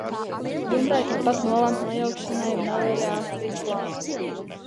"Dumbrāji" tāpat nolemti nojaukšanai meliorācijas plānos.